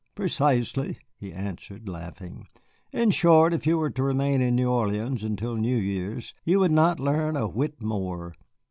"Precisely," he answered, laughing; "in short, if you were to remain in New Orleans until New Year's, you would not learn a whit more.